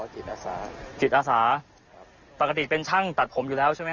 จิตอาสาจิตอาสาครับปกติเป็นช่างตัดผมอยู่แล้วใช่ไหม